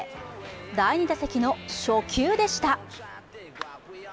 第２打席の初球でした。